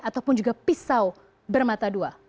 ataupun juga pisau bermata dua